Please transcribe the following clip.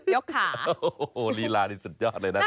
ยกขาลีล่านี่สุดยอดเลยน่ารัก